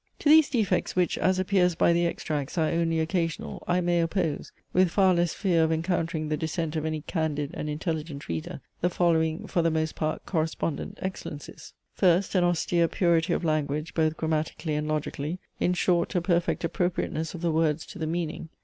To these defects which, as appears by the extracts, are only occasional, I may oppose, with far less fear of encountering the dissent of any candid and intelligent reader, the following (for the most part correspondent) excellencies. First, an austere purity of language both grammatically and logically; in short a perfect appropriateness of the words to the meaning.